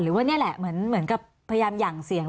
หรือว่านี่แหละเหมือนกับพยายามหยั่งเสียง